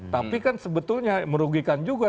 tapi kan sebetulnya merugikan juga